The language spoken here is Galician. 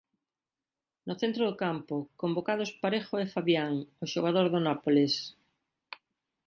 No centro do campo, convocados Parejo e Fabián, o xogador do Nápoles.